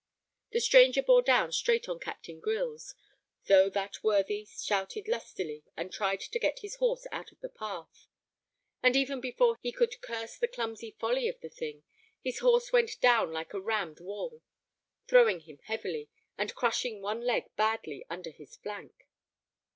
The stranger bore down straight on Captain Grylls, though that worthy shouted lustily and tried to get his horse out of the path. And even before he could curse the clumsy folly of the thing, his horse went down like a rammed wall, throwing him heavily, and crushing one leg badly under his flank.